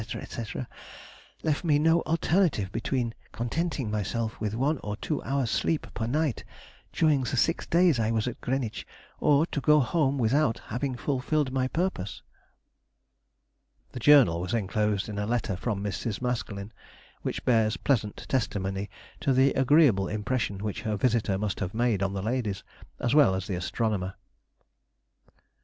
&c., left me no alternative between contenting myself with one or two hours' sleep per night during the six days I was at Greenwich, or to go home without having fulfilled my purpose." The journal was enclosed in a letter from Mrs. Maskelyne, which bears pleasant testimony to the agreeable impression which her visitor must have made on the ladies, as well as the astronomer.